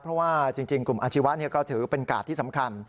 เพราะว่าจริงกลุ่มอาชีวะก็ถือเป็นกาดที่สำคัญ